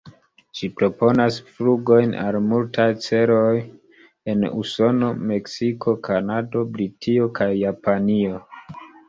Ĝi proponas flugojn al multaj celoj en Usono, Meksiko, Kanado, Britio, kaj Japanio.